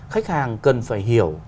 khách hàng cần phải hiểu